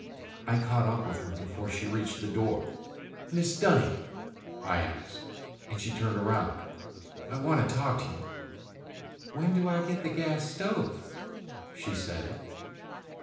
I caught up with her before she reached the door. "Mrs. Dunny," I said, and she turned around. "I want to talk to you." "When do I get the gas stove?" she said.